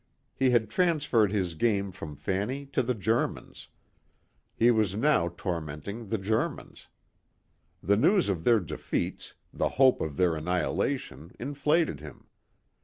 He had transferred his game from Fanny to the Germans. He was now tormenting the Germans. The news of their defeats, the hope of their annihilation inflated him.